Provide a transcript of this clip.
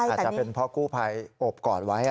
อาจจะเป็นเพราะกู้ภัยอบกอดไว้